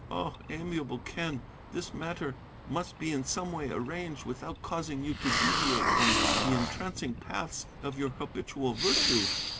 O amiable Quen, this matter must be in some way arranged without causing you to deviate from the entrancing paths of your habitual virtue.